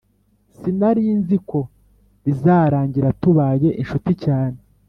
Sinarinziko bizarangira tubaye inshuti cyane